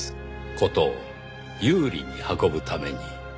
事を有利に運ぶために。